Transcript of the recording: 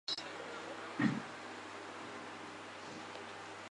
而距离地球足够远的光源的红移就会显示出速度增加率和地球距离的关系。